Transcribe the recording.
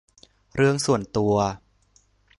เรื่องส่วนตัว